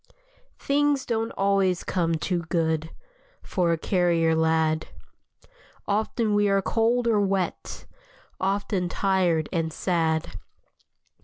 Things don't always come too good For a carrier lad. Often we are cold or wet, Often tired and sad.